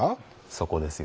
そこですよ。